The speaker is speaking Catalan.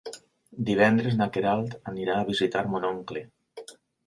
Divendres na Queralt anirà a visitar mon oncle.